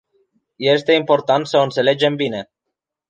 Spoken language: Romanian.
Este important să o înțelegem bine.